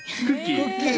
クッキー？